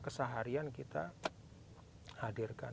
keseharian kita hadirkan